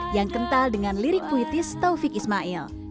yang kental dengan lirik puitis taufik ismail